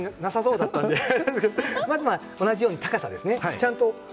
同じように高さですね。